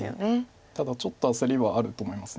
ただちょっと焦りはあると思います。